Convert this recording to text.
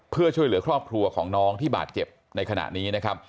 เพื่อช่วยเหลือครอบครัวของน้องที่บาดเจ็บในขณะนี้นะครับ